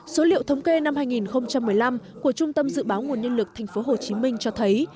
số liệu thống kê năm hai nghìn một mươi năm của trung tâm dự báo nguồn nhân lực tp hcm cho thấy